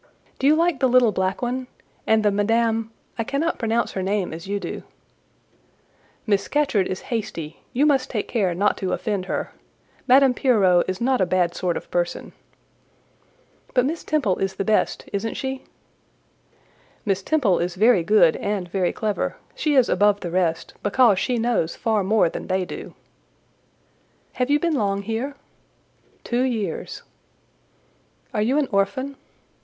"Do you like the little black one, and the Madame ——?—I cannot pronounce her name as you do." "Miss Scatcherd is hasty—you must take care not to offend her; Madame Pierrot is not a bad sort of person." "But Miss Temple is the best—isn't she?" "Miss Temple is very good and very clever; she is above the rest, because she knows far more than they do." "Have you been long here?" "Two years." "Are you an orphan?"